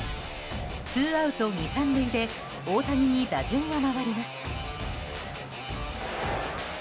ツーアウト２、３塁で大谷に打順が回ります。